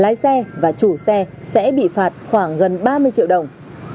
lái xe và chủ xe sẽ bị phạt khoảng gần ba mươi triệu đồng